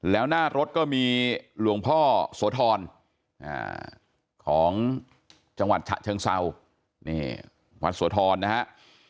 แล้วหน้ารถก็มีหลวงพ่อโสธรของจังหวัดฉะเชิงเศร้านี่วัดโสธรนะฮะ